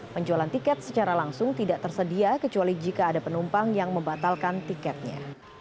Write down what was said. penjualan tiket secara langsung tidak tersedia kecuali jika ada penumpang yang membatalkan tiketnya